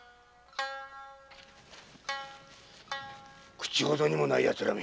口ほどにもないヤツらめ。